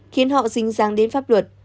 khiến họ dính ràng đến pháp luật